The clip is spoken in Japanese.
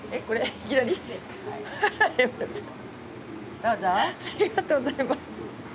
ありがとうございます。